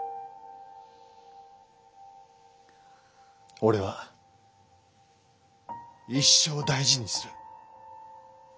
俺は一生大事にする。